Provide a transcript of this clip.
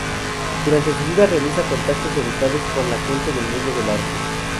Durante su vida realiza contactos y amistades con la gente del mundo del arte.